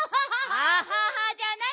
アハハじゃない！